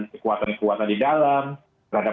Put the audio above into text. kekuatan kekuatan di dalam terhadap